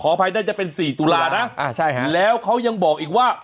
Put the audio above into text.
อภัยน่าจะเป็น๔ตุลานะแล้วเขายังบอกอีกว่า